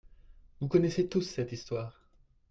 Vous connaissez tous cette histoire.